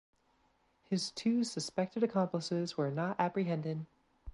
His two suspected accomplices were not apprehended.